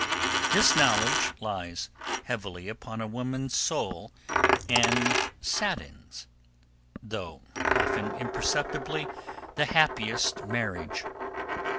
This knowledge lies heavily upon a woman's soul and saddens, though often imperceptibly, the happiest marriage.